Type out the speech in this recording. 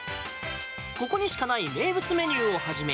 ここにしかない名物メニューをはじめ